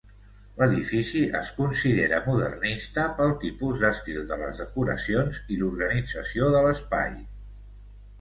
L'edifici es considera modernista pel tipus d'estil de les decoracions i l'organització de l'espai.